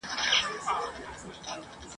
له پردیو پسرلیو خپل بهار ته غزل لیکم !.